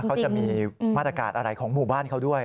เขาจะมีมาตรการอะไรของหมู่บ้านเขาด้วย